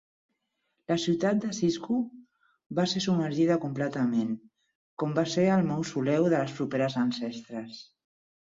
La ciutat de Sizhou va ser submergida completament, com va ser el mausoleu de les properes ancestres.